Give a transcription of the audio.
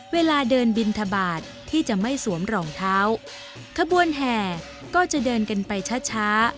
เวลาเดินบินทบาทที่จะไม่สวมรองเท้าขบวนแห่ก็จะเดินกันไปช้าช้า